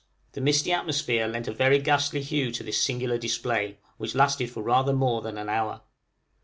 The misty atmosphere lent a very ghastly hue to this singular display, which lasted for rather more than an hour.